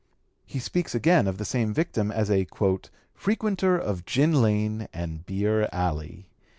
He speaks again of the same victim as a "frequenter of gin lane and beer alley."